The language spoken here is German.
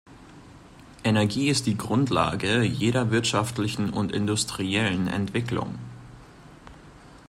Energie ist die Grundlage jeder wirtschaftlichen und industriellen Entwicklung.